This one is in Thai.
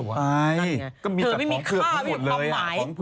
เธอไม่มีค่าไม่มีความหมาย